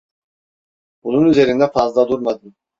Bunun üzerinde fazla durmadım.